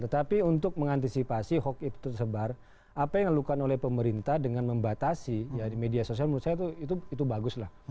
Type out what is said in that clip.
tetapi untuk mengantisipasi hoax itu sebar apa yang dilakukan oleh pemerintah dengan membatasi media sosial menurut saya itu bagus lah